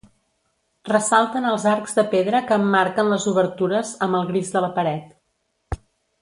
Ressalten els arcs de pedra que emmarquen les obertures amb el gris de la paret.